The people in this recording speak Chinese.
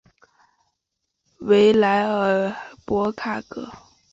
维莱尔博卡格。